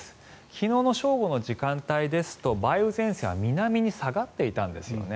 昨日の正午の時間帯ですと梅雨前線は南に下がっていたんですよね。